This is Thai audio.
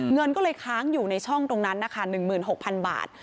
เงินก็เลยค้างอยู่ในช่องตรงนั้นนะคะ๑๖๐๐๐บาท